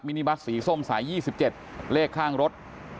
นิบัสสีส้มสาย๒๗เลขข้างรถ